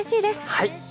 はい！